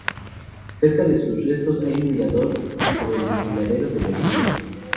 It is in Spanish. Cerca de sus restos hay un mirador sobre el Desfiladero de La Hermida.